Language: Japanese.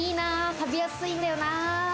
食べやすいんだよな。